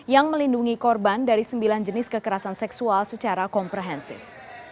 yang melindungi korban dari sembilan jenis kekerasan seksual secara komprehensif